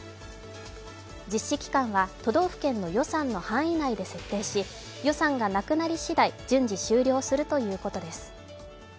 実施期間は都道府県の予算の範囲内で設定し、予算がなくなりしだい、順次終了するということです。